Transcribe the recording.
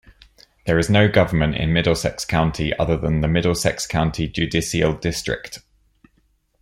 There is no government in Middlesex County other than the Middlesex County Judicial District.